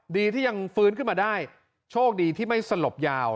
ดีที่ยังฟื้นขึ้นมาได้โชคดีที่ไม่สลบยาว